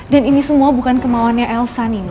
dan ini semua bukan kemauannya elsa nino